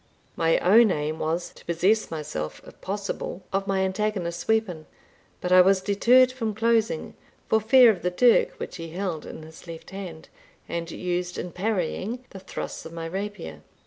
My own aim was, to possess myself, if possible, of my antagonist's weapon; but I was deterred from closing, for fear of the dirk which he held in his left hand, and used in parrying the thrusts of my rapier.